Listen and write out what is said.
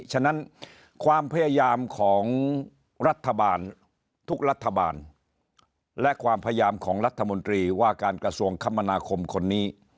ฉะนั้นความพยายามของรัฐบาลทุกรัฐบาลและความพยายามของรัฐมนตรีว่าการกระทรวงคมนาคมคนนี้